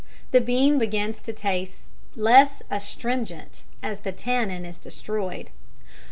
The bean begins to taste less astringent as the "tannin" is destroyed.